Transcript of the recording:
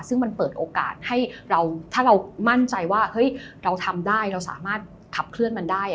ซึ่งมันเปิดโอกาสให้เราถ้าเรามั่นใจว่าเฮ้ยเราทำได้เราสามารถขับเคลื่อนมันได้